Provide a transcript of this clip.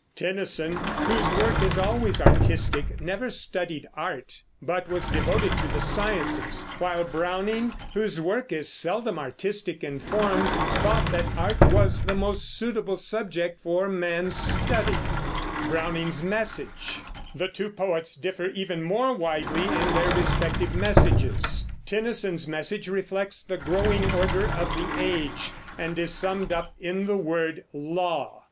Tennyson, whose work is always artistic, never studied art, but was devoted to the sciences; while Browning, whose work is seldom artistic in form, thought that art was the most suitable subject for a man's study. The two poets differ even more widely in their respective messages. Tennyson's message reflects the growing order of the age, and is summed up in the word "law."